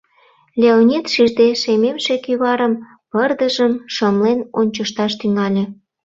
Леонид, шижде, шемемше кӱварым, пырдыжым шымлен ончышташ тӱҥале.